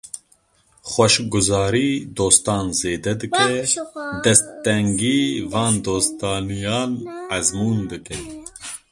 Xweşguzarî dostan zêde dike, desttengî van dostaniyan ezmûn dike.